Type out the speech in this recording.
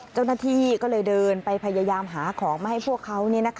เจ้าหน้าที่ก็เลยเดินไปพยายามหาของมาให้พวกเขา